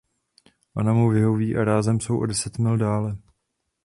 Ona mu vyhoví a rázem jsou o deset mil dále.